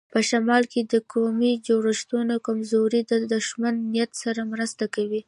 په شمال کې د قومي جوړښتونو کمزوري د دښمن نیت سره مرسته کوي.